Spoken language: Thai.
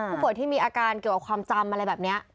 ผู้ป่วยที่มีอาการเกี่ยวกับความจำอะไรแบบนี้